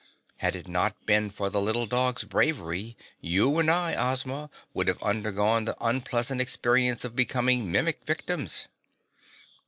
"Had it not been for the little dog's bravery, you and I, Ozma, would have undergone the unpleasant experience of becoming Mimic victims."